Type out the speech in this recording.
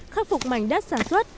khắc phục mảnh đất sản xuất